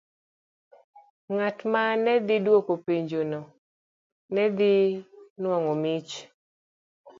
Ng'at ma ne dhi dwoko penjono ne dhi nwang'o mich.